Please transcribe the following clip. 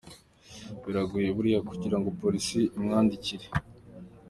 Biragoye buriya kugira ngo polisi imwandikire.